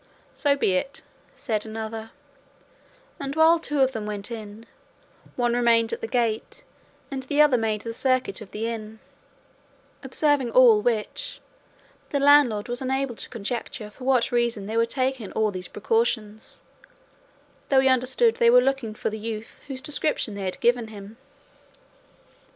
"So be it," said another; and while two of them went in, one remained at the gate and the other made the circuit of the inn; observing all which, the landlord was unable to conjecture for what reason they were taking all these precautions, though he understood they were looking for the youth whose description they had given him.